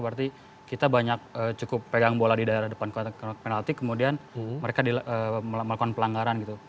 berarti kita banyak cukup pegang bola di daerah depan kota penalti kemudian mereka melakukan pelanggaran gitu